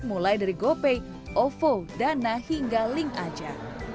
mulai dari gopay ovo dana hingga link aja